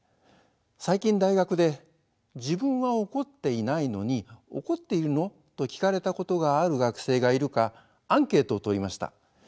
最近大学で自分は怒っていないのに「怒っているの？」と聞かれたことがある学生がいるかアンケートをとりました。